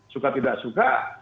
suka tidak suka